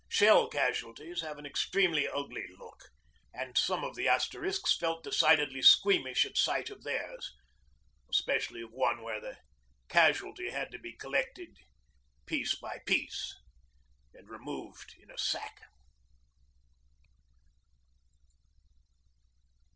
Shell casualties have an extremely ugly look, and some of the Asterisks felt decidedly squeamish at sight of theirs especially of one where the casualty had to be collected piece by piece, and removed in a sack.